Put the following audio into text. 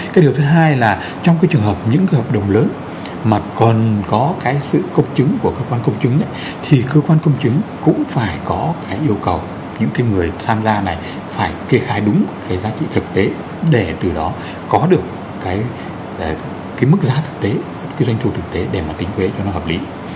cái điều thứ hai là trong cái trường hợp những cái hợp đồng lớn mà còn có cái sự công chứng của cơ quan công chứng ấy thì cơ quan công chứng cũng phải có cái yêu cầu những cái người tham gia này phải kê khai đúng cái giá trị thực tế để từ đó có được cái mức giá thực tế cái doanh thu thực tế để mà tính thuế cho nó hợp lý